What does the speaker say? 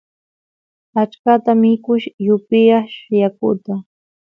achkata mikush y upiyash yakuta